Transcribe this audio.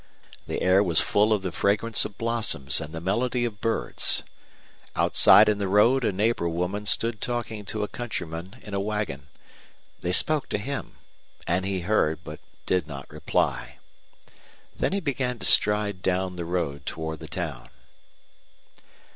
The air was full of the fragrance of blossoms and the melody of birds. Outside in the road a neighbor woman stood talking to a countryman in a wagon; they spoke to him; and he heard, but did not reply. Then he began to stride down the road toward the town.